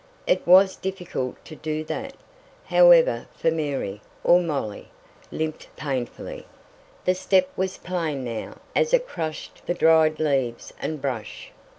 It was difficult to do that, however, for Mary, or Molly, limped painfully. The step was plain now, as it crushed the dried leaves and brush.